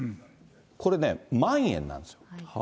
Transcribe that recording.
これね、万円なんです。